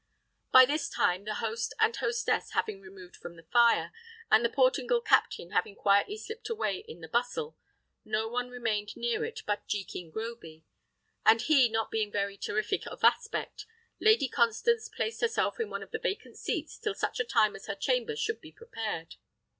By this time, the host and hostess having removed from the fire, and the Portingal captain having quietly slipped away in the bustle, no one remained near it but Jekin Groby; and, he not being very terrific of aspect, Lady Constance placed herself in one of the vacant seats till such time as her chamber should be prepared.